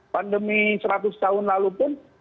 pandemi seratus tahun lalu pun